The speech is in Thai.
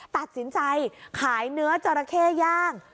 ตัดสินใจขายเนื้อจราเข้ย่าง